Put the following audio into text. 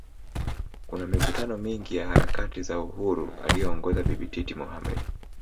Kuna mikutano mingi ya harakati za Uhuru aliyoongoza Bibi Titi Mohammed